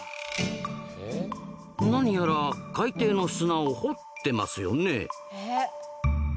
何やら海底の砂を掘ってますよね。